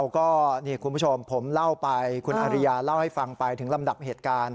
ก็นี่คุณผู้ชมผมเล่าไปคุณอริยาเล่าให้ฟังไปถึงลำดับเหตุการณ์